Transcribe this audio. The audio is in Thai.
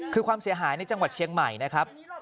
คือความเสียหายในจังหวัดเชียงใหม่นะครับ